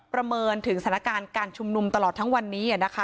ประเมินถึงสถานการณ์การชุมนุมตลอดทั้งวันนี้นะคะ